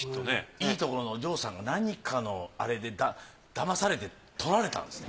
いいところのお嬢さんが何かのあれでだまされてとられたんですね。